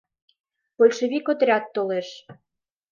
Большевик отряд толеш!